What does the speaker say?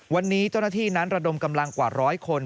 วันนี้เจ้าหน้าที่นั้นระดมกำลังกว่าร้อยคน